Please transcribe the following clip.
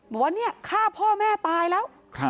บอกว่าเนี่ยฆ่าพ่อแม่ตายแล้ว